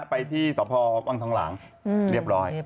ไปที่สพวังทองหลางเรียบร้อย